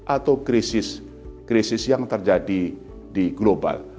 atau krisis yang terjadi di global